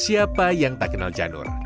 siapa yang tak kenal janur